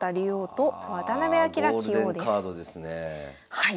はい。